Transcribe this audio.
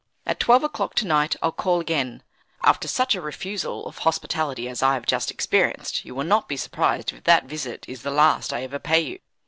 At twelve o'clock to night I'll call again; after such a refusal of hospitality as I have just experienced, you will not be surprised if that visit is the last I ever pay you."